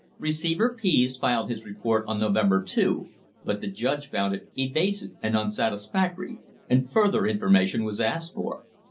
Receiver Pease filed his report on November 2, but the judge found it "evasive and unsatisfactory," and further information was asked for.